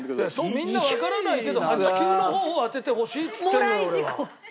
みんなわからないけど８９の方を当ててほしいっつってんのよ俺は。